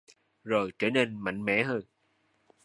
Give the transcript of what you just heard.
Rồi trở nên mạnh mẽ hơn